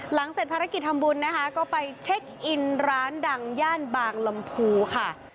เสร็จภารกิจทำบุญนะคะก็ไปเช็คอินร้านดังย่านบางลำพูค่ะ